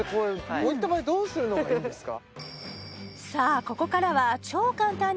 こういった場合どうするのがいいんですか？